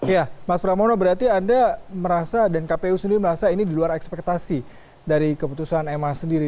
ya mas pramono berarti anda merasa dan kpu sendiri merasa ini di luar ekspektasi dari keputusan ma sendiri